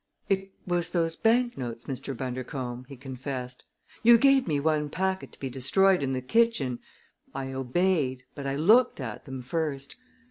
"It was those banknotes, Mr. Bundercombe," he confessed. "You gave me one packet to be destroyed in the kitchen. I obeyed; but I looked at them first.